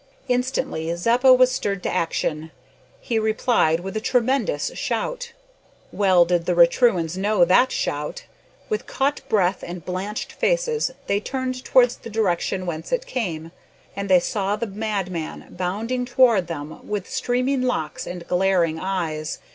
Instantly Zeppa was stirred to action. He replied with a tremendous shout. Well did the Raturans know that shout. With caught breath and blanched faces they turned towards the direction whence it came, and they saw the madman bounding towards them with streaming locks and glaring eyes.